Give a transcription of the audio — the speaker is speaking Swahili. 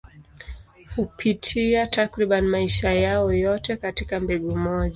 Hupitia takriban maisha yao yote katika mbegu moja.